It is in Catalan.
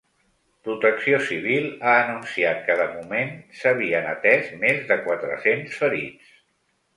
Protecció civil ha anunciat que de moment s’havien atès més de quatre-cents ferits.